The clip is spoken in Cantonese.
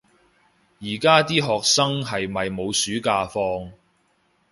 而家啲學生係咪冇暑假放